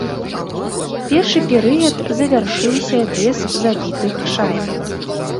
Першы перыяд завяршыўся без забітых шайбаў.